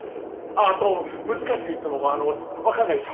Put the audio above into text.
あと難しく言っても分かんないでしょ